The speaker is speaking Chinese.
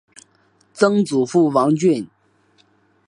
曾祖父王俊。